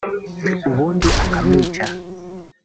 ubundi akamwica